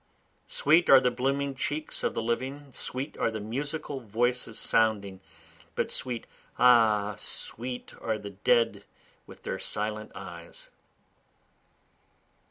Sweet are the blooming cheeks of the living sweet are the musical voices sounding, But sweet, ah sweet, are the dead with their silent eyes.